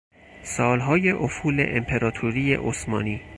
سالهای افول امپراتوری عثمانی